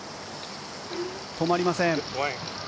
止まりません。